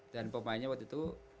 dan pemainnya waktu itu